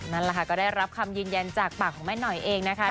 นั่นแหละค่ะก็ได้รับคำยืนยันจากปากของแม่หน่อยเองนะคะ